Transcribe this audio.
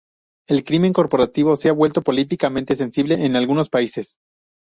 El crimen corporativo se ha vuelto políticamente sensible en algunos países.